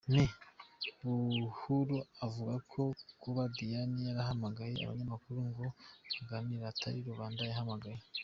Me Buhuru akavuga ko kuba Diane yarahamagaye abanyamakuru ngo baganire atari rubanda yahamagaye.